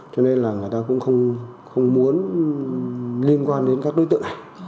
cho nên là người ta cũng không muốn liên quan đến các đối tượng này